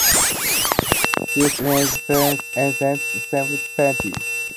This made promotion of Westsylvania subject to the death penalty.